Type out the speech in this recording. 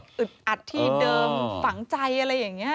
อยู่ในที่อึดอัดที่เดิมฝังใจอะไรอย่างนี้